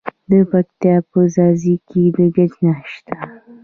د پکتیا په ځاځي کې د ګچ نښې شته.